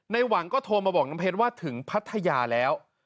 หวังก็โทรมาบอกน้ำเพชรว่าถึงพัทยาแล้ว